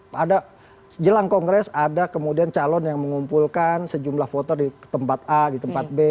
pada jelang kongres ada kemudian calon yang mengumpulkan sejumlah foto di tempat a di tempat b